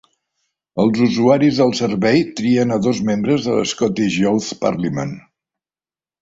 Els usuaris del servei trien a dos membres del Scottish Youth Parliament.